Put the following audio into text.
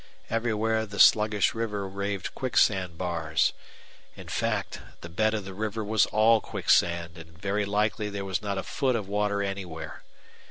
Everywhere the sluggish water raved quicksand bars. In fact, the bed of the river was all quicksand, and very likely there was not a foot of water anywhere.